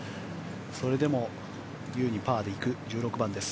それでも優にパーで行く１６番です。